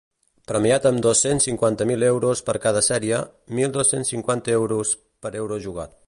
Premiat amb dos-cents cinquanta mil euros per cada sèrie, mil dos-cents cinquanta euros per euro jugat.